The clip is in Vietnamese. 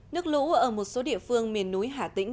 nước lũ ở một số địa phương miền núi hà tĩnh